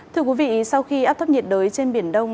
thưa quý vị sau khi áp thấp nhiệt đới trên biển đông